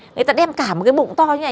người ta đem cả một cái bụng to như thế này